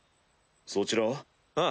そちらは？